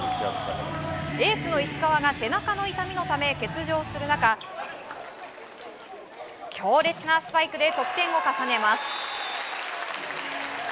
エースの石川が背中の痛みのため欠場する中強烈なスパイクで得点を重ねます。